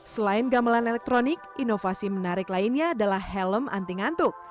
selain gamelan elektronik inovasi menarik lainnya adalah helm anti ngantuk